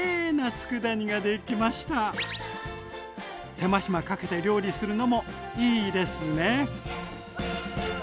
手間暇かけて料理するのもいいですね。